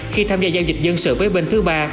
khi tham gia giao dịch dân sự với bên thứ ba